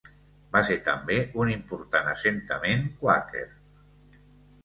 Va ser també un important assentament quàquer.